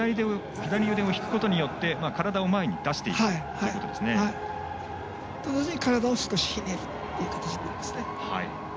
左腕を引くことによって体を前に同時に体を少しひねるという形ですね。